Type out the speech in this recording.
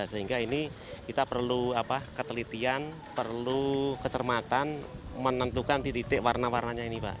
sehingga ini kita perlu ketelitian perlu kecermatan menentukan titik titik warna warnanya ini pak